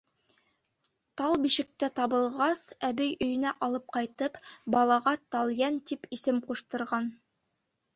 Тал бишектә табылғас, әбей өйөнә алып ҡайтып, балаға Талйән тип исем ҡуштырған.